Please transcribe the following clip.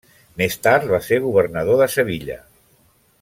Més tard va ser governador de Sevilla.